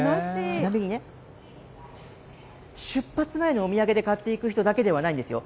ちなみに、出発前のお土産で買っていく人だけではないんですよ。